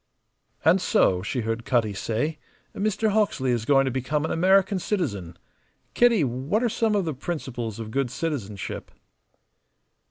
"And so," she heard Cutty say. "Mr. Hawksley is going to become an American citizen. Kitty, what are some of the principles of good citizenship?"